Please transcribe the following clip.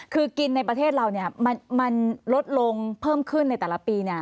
คือกินในประเทศเรามันลดลงเพิ่มขึ้นในแต่ละปี